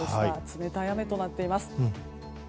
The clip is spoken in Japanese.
冷たい雨となっています。